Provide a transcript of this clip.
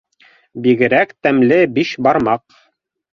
Бигерәк тәмле бишбармаҡ